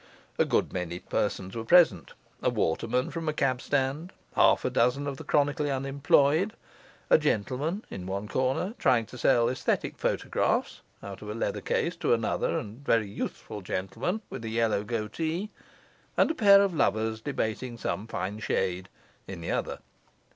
A good many persons were present, a waterman from a cab stand, half a dozen of the chronically unemployed, a gentleman (in one corner) trying to sell aesthetic photographs out of a leather case to another and very youthful gentleman with a yellow goatee, and a pair of lovers debating some fine shade (in the other).